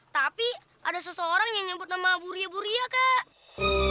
tapi ada seseorang yang nyebut nama buria buria kak